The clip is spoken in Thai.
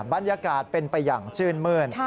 บรรยากาศเป็นไปอย่างชื่นมื้น